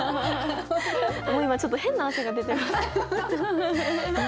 もう今ちょっと変な汗が出てます。